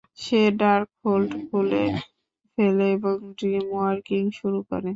সে Darkhold খুলে ফেলে এবং ড্রিমওয়াকিং শুরু করে।